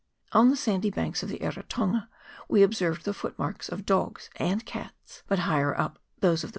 On the sandy banks of the Eritonga we observed the footmarks of dogs and cats, but higher up those of the.